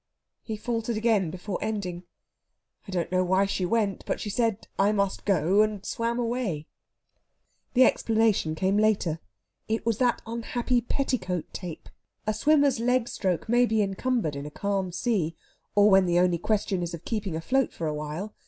He faltered again before ending. "I don't know why she went, but she said, 'I must go,' and swam away." That was all Fenwick could tell. The explanation came later. It was that unhappy petticoat tape! A swimmer's leg stroke may be encumbered in a calm sea, or when the only question is of keeping afloat for awhile.